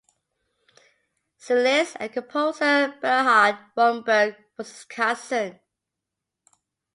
Cellist and composer Bernhard Romberg was his cousin.